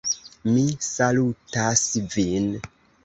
Mi salutas vin!